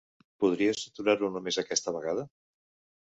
Podries aturar-ho només aquesta vegada?